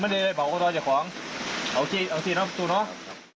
มันจะได้เบาก็ตอบใจของเอาที่นะตรงนี้เนาะ